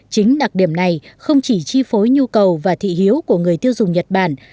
chính đặc điểm này không chỉ chi phối nhu cầu và thị hiếu của người tiêu dùng nhật bản